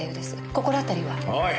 心当たりは？おい！